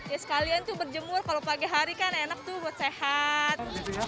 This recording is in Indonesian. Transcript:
ya sekalian tuh berjemur kalau pagi hari kan enak tuh buat sehat